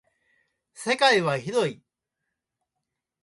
世界は広い。